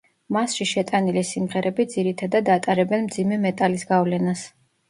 მასში შეტანილი სიმღერები ძირითადად ატარებენ მძიმე მეტალის გავლენას.